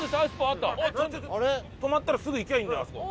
止まったらすぐ行けばいいんだあそこ。